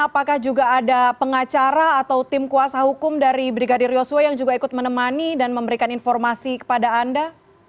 apakah juga ada pengacara atau tim kuasa hukum dari brigadir yosua yang juga ikut menemani dan memberikan informasi kepada anda